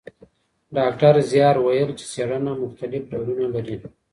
ډاکټر زیار ویل چي څېړنه مختلف ډولونه لري.